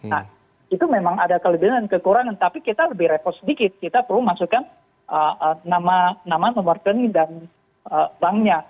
nah itu memang ada kelebihan dan kekurangan tapi kita lebih repot sedikit kita perlu masukkan nama nomor rekening dan banknya